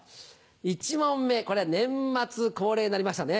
１問目これは年末恒例になりましたね。